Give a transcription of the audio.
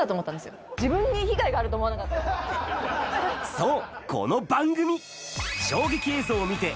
そう！